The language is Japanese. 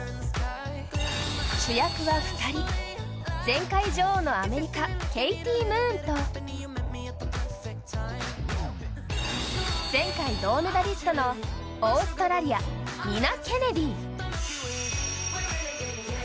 主役は２人、前回女王のアメリカ、ケイティ・ムーンと前回銅メダリストのオーストラリア、ニナ・ケネディ。